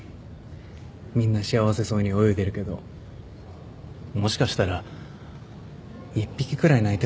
みんな幸せそうに泳いでるけどもしかしたら一匹くらい泣いてるかもね。